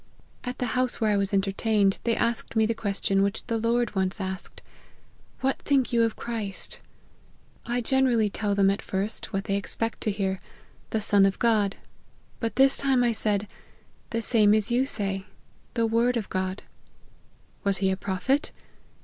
At the house where I was entertained, they asked me the question which the Lord once asked, ' What think ye of Christ ?' I generally tell them at first, what they expect to hear, i The Son of God ;' but this time I said, ' The same as you say, the word of God.' ' Was he a Prophet